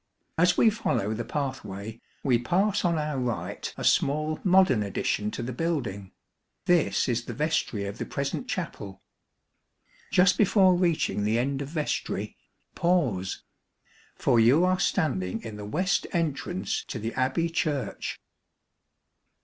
As we follow the pathway, we pass on our right a small modern addition to the building this is the vestry of the present Chapel. Just before reaching the end of vestry, pause! for you are standing in the west entrance to the Abbey Church.